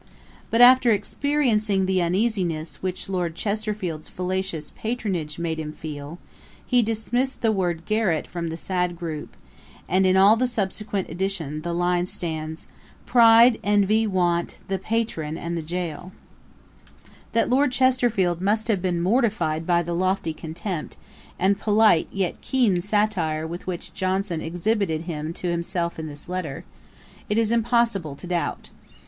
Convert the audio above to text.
But after experiencing the uneasiness which Lord Chesterfield's fallacious patronage made him feel, he dismissed the word garret from the sad group, and in all the subsequent editions the line stands 'Pride, envy, want, the Patron, and the jail.' [Page 265: Defensive pride. Ætat 45.] That Lord Chesterfield must have been mortified by the lofty contempt, and polite, yet keen satire with which Johnson exhibited him to himself in this letter, it is impossible to doubt.